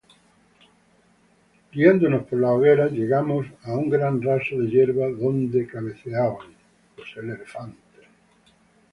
guiándonos por las hogueras, llegamos a un gran raso de yerba donde cabeceaban